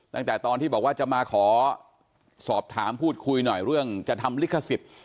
ตั้งแต่ตอนที่บอกว่าจะมาขอสอบถามพูดคุยหน่อยเรื่องจะทำลิขสิทธิ์